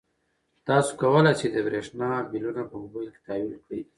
تاسو کولای شئ د برښنا بلونه په موبایل کې تحویل کړئ.